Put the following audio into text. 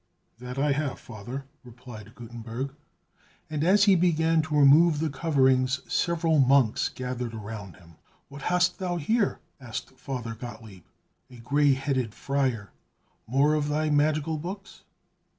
"That I have, Father," replied Gutenberg; and as he began to remove the coverings, several monks gathered around him. "What hast thou here?" asked Father Gottlieb, a gray headed friar; "more of thy magical books?"